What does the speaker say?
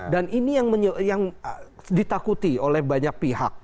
dan ini yang ditakuti oleh banyak pihak